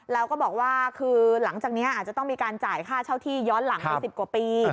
แล้วก็บอกว่าคือหลังจากนี้อาจจะต้องมีการจ่ายค่าเช่าที่ย้อนหลังไป๑๐กว่าปี